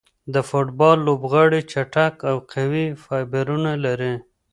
د فوټبال لوبغاړي چټک او قوي فایبرونه لري.